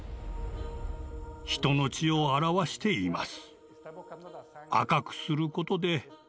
人の血を表しています。